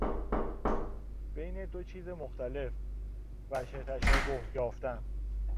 بین دو چیز مختلف، وجه تشابه یافتن